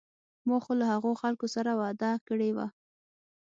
ما خو له هغو خلکو سره وعده کړې وه.